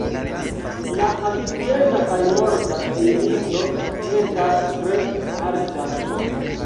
La akcidenta kaj morta indico estas tre alta.